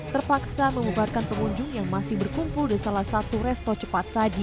terpaksa mengubarkan pengunjung yang masih berkumpul di salah satu resto cepat saji